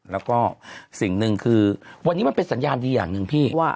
แล้วก็สิ่งหนึ่งคือวันนี้มันเป็นสัญญาณดีอย่างหนึ่งพี่